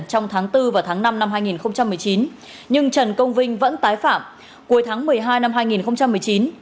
trong tháng bốn và tháng năm năm hai nghìn một mươi chín nhưng trần công vinh vẫn tái phạm cuối tháng một mươi hai năm hai nghìn một mươi chín